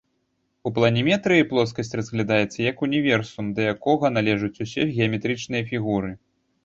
У планіметрыі плоскасць разглядаецца як універсум, да якога належаць усе геаметрычныя фігуры.